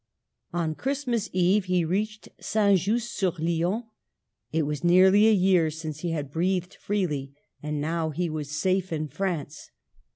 On Christmas eve he reached St. Just sur Lyon. It was nearly a year since he had breathed freely, and now he was safe in France.